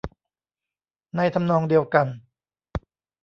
ในทำนองเดียวกัน